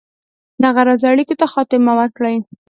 دغه راز اړېکو ته خاتمه ورکړي.